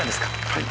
はい。